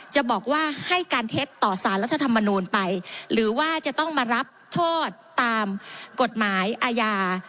จะบอกว่าให้การเท็จต่อสารรัฐธรรมนูลไปหรือว่าจะต้องมารับโทษตามกฎหมายอาญา